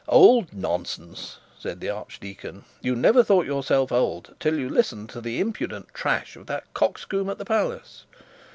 'Old nonsense!' said the archdeacon; 'you never thought yourself old till you listened to the impudent trash of that coxcomb at the palace.'